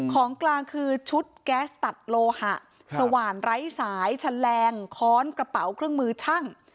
ของกลางคือชุดแก๊สตัดโลหะสว่านไร้สายแฉลงค้อนกระเป๋าเครื่องมือช่าง